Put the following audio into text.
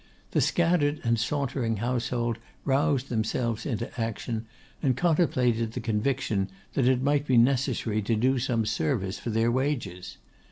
The scattered and sauntering household roused themselves into action, and contemplated the conviction that it might be necessary to do some service for their wages.